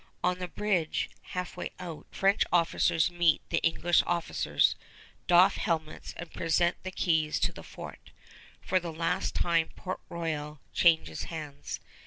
On the bridge, halfway out, French officers meet the English officers, doff helmets, and present the keys to the fort. For the last time Port Royal changes hands.